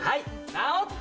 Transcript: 直った！